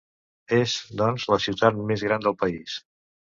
És, doncs, la ciutat més gran del país.